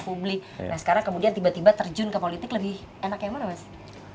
nah sekarang kemudian tiba tiba terjun ke politik lebih enak yang mana mas